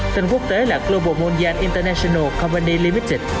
tên quốc tế là global mondial international company limited